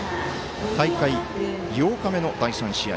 大会８日目の第３試合。